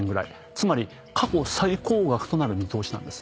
つまり過去最高額となる見通しなんです。